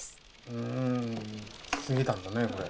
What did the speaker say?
うんつげたんだねこれ。